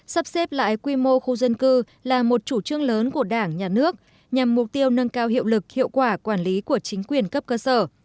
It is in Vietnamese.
sắp xếp lại quy mô khu dân cư là một chủ trương lớn của đảng nhà nước nhằm mục tiêu nâng cao hiệu lực hiệu quả quản lý của chính quyền cấp cơ sở